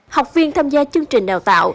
học viên tham gia chương trình đào tạo